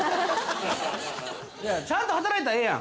いやちゃんと働いたらええやん。